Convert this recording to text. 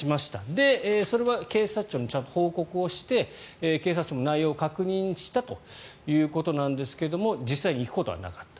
で、それは警察庁にちゃんと報告をして警察庁も内容を確認したということなんですが実際に行くことはなかった。